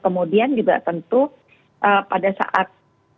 kemudian juga tentu pada saat